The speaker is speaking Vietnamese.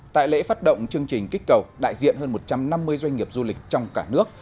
tại lễ phát động chương trình kích cầu đại diện hơn một trăm năm mươi doanh nghiệp du lịch trong cả nước